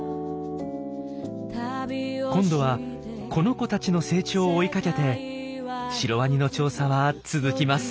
今度はこの子たちの成長を追いかけてシロワニの調査は続きます。